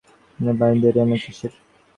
মা, এক বৎসরের আর দেরিই বা কিসের।